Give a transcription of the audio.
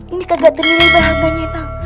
ini kagak dengerin warga warganya bang